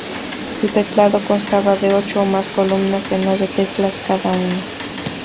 Su teclado constaba de ocho o más columnas de nueve teclas cada una.